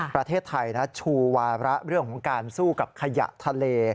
ประเทศไทยชูวาระเรื่องของการสู้กับขยะทะเล